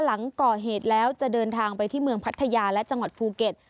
หลังก่อเหตุแล้วจะเดินทางไปที่เมืองพัทยาและจังหวัดภูเก็ต